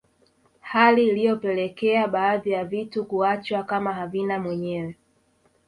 Hali iliyopelekea baadhi ya vitu kuachwa kama havina mwenyewe